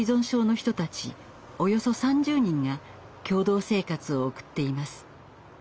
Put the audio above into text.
およそ３０人が共同生活を送っています。